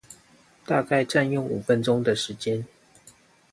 大概占用五分鐘的時間